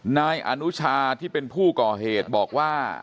นายอนุชาที่เป็นผู้ก่อเหตุบอกว่า